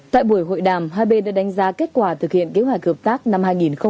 tại buổi hội đàm hai bên đã đánh giá kết quả thực hiện kế hoạch hợp tác năm hai nghìn hai mươi